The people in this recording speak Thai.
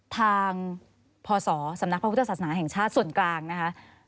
ทางพศสำนักพระพุทธศาสนาแห่งชาติส่วนกลางนะคะ